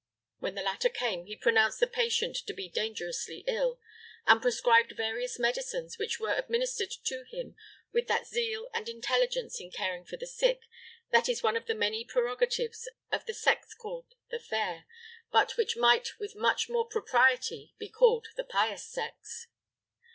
When the latter came, he pronounced the patient to be dangerously ill, and prescribed various medicines, which were administered to him with that zeal and intelligence in caring for the sick that is one of the many prerogatives of the sex called the fair, but which might with much more propriety be called the pious sex.